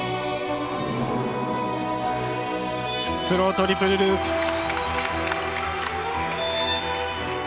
スロートリプルループ。